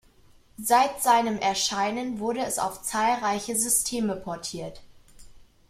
Seit seinem Erscheinen wurde es auf zahlreiche Systeme portiert.